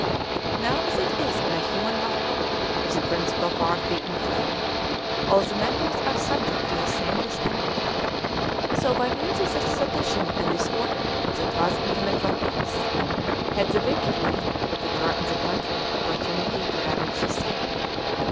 Now as it is in a human body, if the principal part be inflamed, all the members are subject to the same distemper; so, by means of the sedition and disorder that was in the metropolis,. had the wicked men that were in the country opportunity to ravage the same.